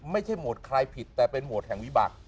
โหมดใครผิดแต่เป็นโหมดแห่งวิบัติ